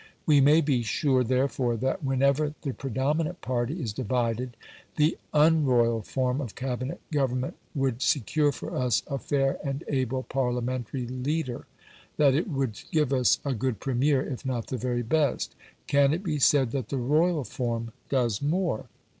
We may be sure, therefore, that whenever the predominant party is divided, the UN royal form of Cabinet government would secure for us a fair and able Parliamentary leader that it would give us a good Premier, if not the very best. Can it be said that the royal form does more?